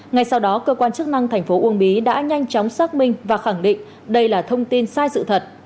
ngay sau đó cơ quan chức năng thành phố uông bí đã nhanh chóng xác minh và khẳng định đây là thông tin sai sự thật